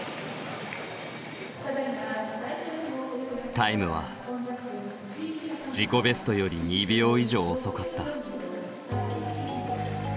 タイムは自己ベストより２秒以上遅かった。